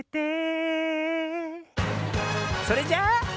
それじゃあ。